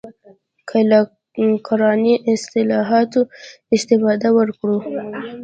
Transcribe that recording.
که له قراني اصطلاحاتو استفاده وکړو.